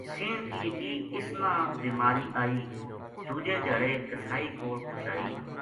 سینڈلی کی اس نا بیماری آئی دُوجے دھیاڑے قصائی کول پوہچائی